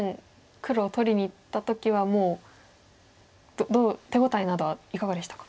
黒を取りにいった時はもう手応えなどはいかがでしたか？